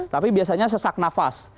tapi biasanya sesak nafas